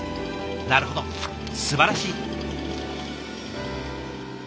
なるほどすばらしい！